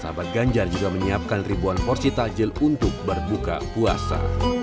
sahabat ganjar juga menyiapkan ribuan porsi takjil untuk berbuka puasa